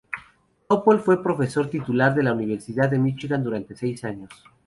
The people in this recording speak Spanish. Topol fue profesor titular de la Universidad de Michigan durante seis años.